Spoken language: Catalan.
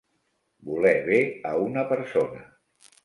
Voler bé a una persona.